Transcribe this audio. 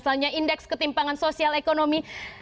misalnya indeks ketimpangan sosial ekonomi